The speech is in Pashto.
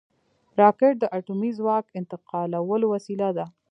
راکټ د اټومي ځواک انتقالولو وسیله ده